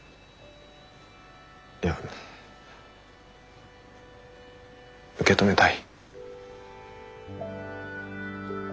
いや受け止めたい。